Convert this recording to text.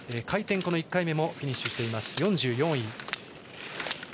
回転、この１回目もフィニッシュして４４位。